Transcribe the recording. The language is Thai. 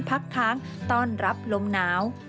พักค้างต้อนรับลมหนาว